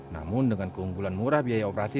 namun dengan keunggulan murah biaya operasi